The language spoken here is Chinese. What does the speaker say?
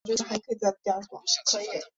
该寺庙的东面是瓦苏基纳特。